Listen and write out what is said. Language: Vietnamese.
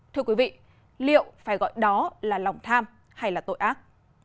thưa quý vị liệu phải gọi đó là lòng tham hay là tội ác